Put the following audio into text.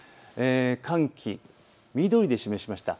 寒気、緑で示しました。